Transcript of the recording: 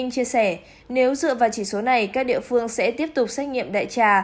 chia sẻ nếu dựa vào chỉ số này các địa phương sẽ tiếp tục xét nghiệm đại trà